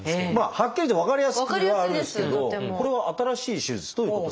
はっきり分かりやすくはあるんですけどこれは新しい手術ということですか？